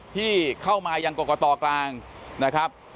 ที่เข้ามายังกรกตกลางนะครับ